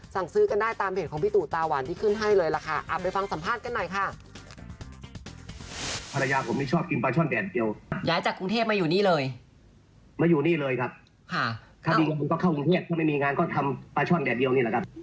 สั่งซื้อกันได้ตามเพจของพี่ตุ๋ตาหวันที่ขึ้นให้เลยแล้วค่ะ